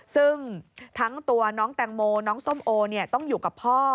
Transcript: ซึ่งทั้งตัวน้องแตงโมน้องส้มโอต้องอยู่กับพ่อ